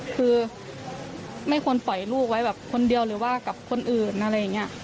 คือไม่ควรปล่อยลูกไว้แบบคนเดียวหรือว่ากับคนอื่นอะไรอย่างนี้